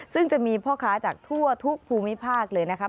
ซึ่งจะมีพ่อค้าจากทั่วทุกภูมิภาคเลยนะครับ